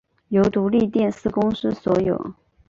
由独立电视公司所有。